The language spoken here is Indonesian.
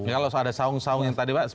ya harus ada saung saung yang tadi pak